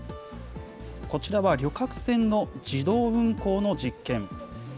こちらは旅客船の自動運航の実験。